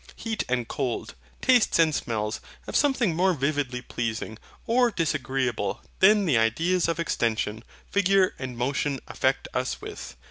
Heat and cold, tastes and smells, have something more vividly pleasing or disagreeable than the ideas of extension, figure, and motion affect us with.